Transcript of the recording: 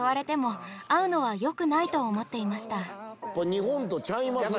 日本とちゃいますね。